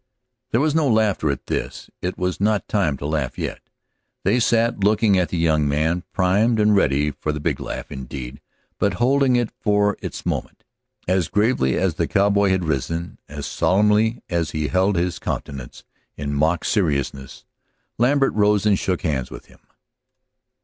There was no laughter at this; it was not time to laugh yet. They sat looking at the young man, primed and ready for the big laugh, indeed, but holding it in for its moment. As gravely as the cowboy had risen, as solemnly as he held his countenance in mock seriousness, Lambert rose and shook hands with him.